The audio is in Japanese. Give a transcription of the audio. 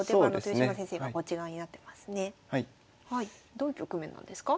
どういう局面なんですか？